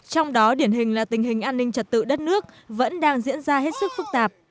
trong đó điển hình là tình hình an ninh trật tự đất nước vẫn đang diễn ra hết sức phức tạp